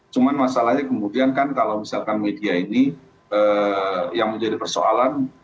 cuma masalahnya kemudian kan kalau misalkan media ini yang menjadi persoalan